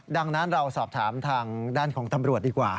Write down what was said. ดังนั้นเราสอบถามทางด้านของตำรวจดีกว่า